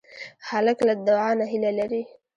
هلک له دعا نه هیله لري.